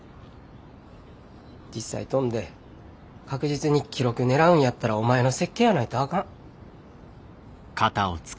実際飛んで確実に記録狙うんやったらお前の設計やないとあかん。